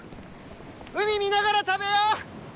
海見ながら食べよう！